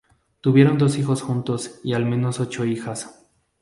Tuvieron dos hijos juntos y al menos ocho hijas.